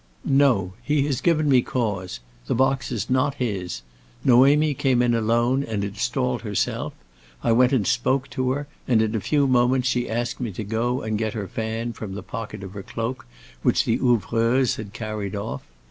"No, he has given me cause. The box is not his. Noémie came in alone and installed herself. I went and spoke to her, and in a few moments she asked me to go and get her fan from the pocket of her cloak, which the ouvreuse had carried off.